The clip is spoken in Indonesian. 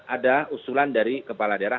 ada usulan dari kepala daerah